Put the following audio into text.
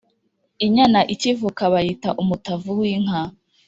Inyana ikivuka bayita Umutavu w’inka